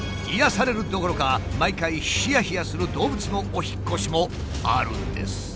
癒やされるどころか毎回ヒヤヒヤする動物のお引っ越しもあるんです。